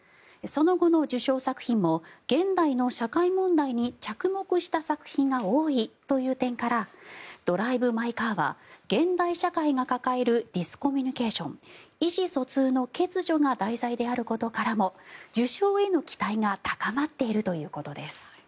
その後の受賞作品も現代の社会問題に着目した作品が多いという点から「ドライブ・マイ・カー」は現代社会が抱えるディスコミュニケーション意思疎通の欠如が題材であることからも受賞への期待が高まっているということです。